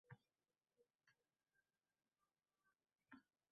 Yaxshilab o’ylab ko’ring!